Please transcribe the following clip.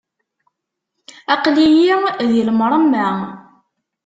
Aql-iyi di lemṛemma!